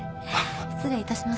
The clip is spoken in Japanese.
失礼いたします。